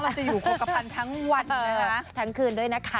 จะอยู่โคกภัณฑ์ทั้งวันนะคะทั้งคืนด้วยนะคะ